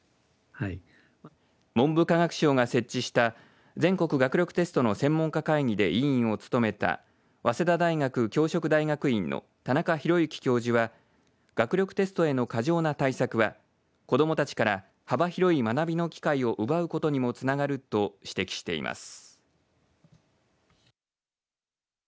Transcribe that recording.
文部科学省が設置した全国学力テストの専門家会議で委員を務めた早稲田大学教職大学院の田中博之教授は学力テストへの過剰な対策は子どもたちから幅広い学びの機会を奪うことにもつながると指摘しています。